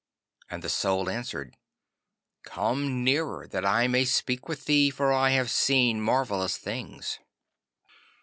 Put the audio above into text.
And the Soul answered, 'Come nearer, that I may speak with thee, for I have seen marvellous things.